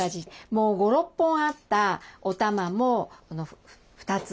もう５６本あったおたまも２つ。